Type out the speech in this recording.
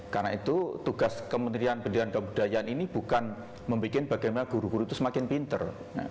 karena itu tugas kementerian pendidikan kebudayaan ini bukan membuat bagaimana guru guru itu semakin pinter